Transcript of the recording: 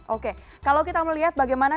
oke kalau kita melihat bagaimana